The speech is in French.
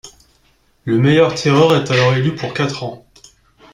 Le meilleur tireur est alors élu pour quatre ans.